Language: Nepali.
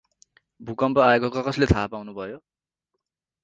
भुकम्प अाएको क-कसले थाहा पाउनु भयो?